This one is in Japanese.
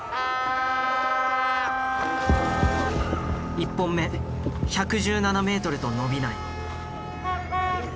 １本目１１７ｍと伸びない。